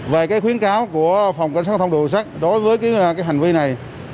về cái khuyến cáo của phòng pc tám đối với cái hành vi này